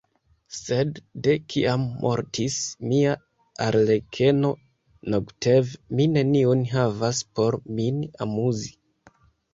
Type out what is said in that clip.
Sed de kiam mortis mia arlekeno Nogtev, mi neniun havas por min amuzi.